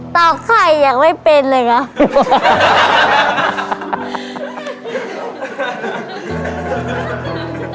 ตอกไข่อย่างไม่เป็นเลยหรือ